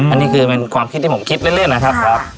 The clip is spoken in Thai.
อันนี้คือเป็นความคิดที่ผมคิดเรื่อยนะครับ